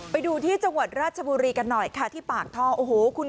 ไปดูที่จังหวัดราชบุรีกันหน่อยค่ะที่ปากท่อโอ้โหคุณ